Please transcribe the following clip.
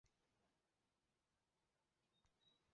较远处则是广大的住宅区。